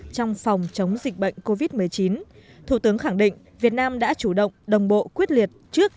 trong phòng chống dịch bệnh covid một mươi chín thủ tướng khẳng định việt nam đã chủ động đồng bộ quyết liệt trước